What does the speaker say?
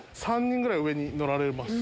３人ぐらい上に乗られます。